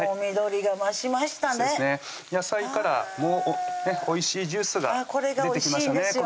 野菜からもおいしいジュースが出てきましたね